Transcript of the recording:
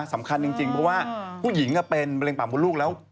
สำคัญจริงเพราะว่าผู้หญิงเป็นมะเร็ปากมดลูกแล้ว